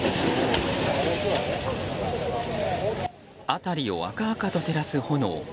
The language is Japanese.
辺りを明々と照らす炎。